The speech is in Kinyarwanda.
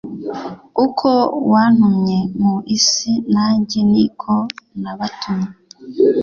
uko wantumye mu isi nanjye ni ko nabatumye